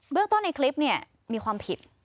เรื่องต้นในคลิปเนี่ยมีความผิด